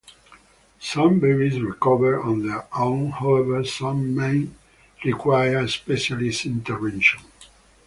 Some babies recover on their own; however, some may require specialist intervention.